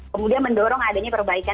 kemudian mendorong adanya perbaikan